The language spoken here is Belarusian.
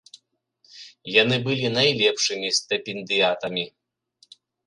Яны былі найлепшымі стыпендыятамі.